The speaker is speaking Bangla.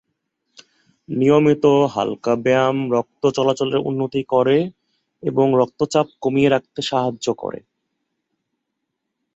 নিয়মিত হালকা ব্যায়াম রক্ত চলাচলের উন্নতি করে, এবং রক্তচাপ কমিয়ে রাখতে সাহায্য করে।